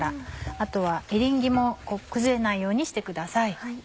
あとはエリンギも崩れないようにしてください。